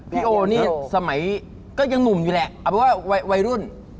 โอนี่สมัยก็ยังหนุ่มอยู่แหละเอาเป็นว่าวัยรุ่น